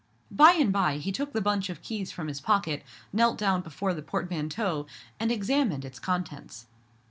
By and by he took the bunch of keys from his pocket, knelt down before the portmanteau, and examined its contents.